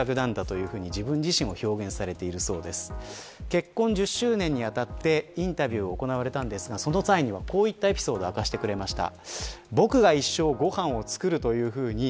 結婚１０周年にあたってインタビューが行われましたがその際には、このようなエピソードを明かしてくれました。